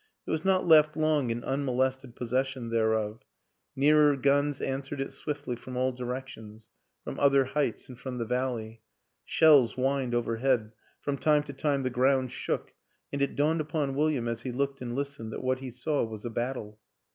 It was not left long in unmolested possession thereof; nearer guns an swered it swiftly from all directions, from other heights and from the valley; shells whined over head, from time to time the ground shook, and it dawned upon William, as he looked and listened, that what he saw was a battle.